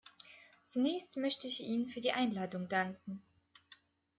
Zunächst möchte ich Ihnen für die Einladung danken.